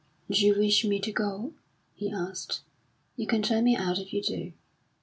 "D'you wish me to go?" he asked. "You can turn me out if you do."